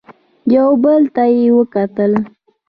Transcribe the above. يو بل ته يې وکتل.